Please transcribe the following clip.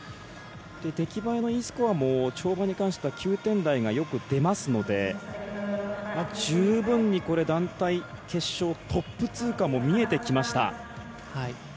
出来栄えのＥスコアも跳馬に関しては９点台がよく出ますので十分に団体決勝トップ通過も見えてきました。